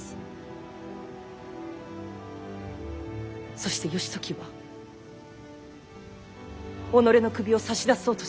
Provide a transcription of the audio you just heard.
そして義時は己の首を差し出そうとしました。